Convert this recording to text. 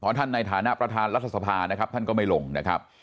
ท่านในฐานะประธานรัฐสภานะครับท่านก็ไม่ลงนะครับ